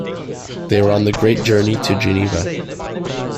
They were on the great journey to Geneva.